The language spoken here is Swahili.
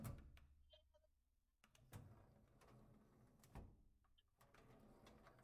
mkubwa wa kuimba taarabu kwa kuchanganya lugha ya kiswahili na ile ya kiarabu Nyimbo